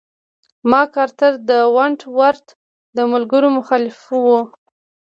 مک ارتر د ونټ ورت د ملګرو مخالف و.